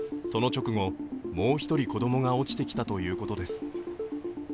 その直後もう一人子供が落ちてきたということです。